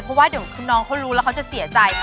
เพราะว่าเดี๋ยวคือน้องเขารู้แล้วเขาจะเสียใจ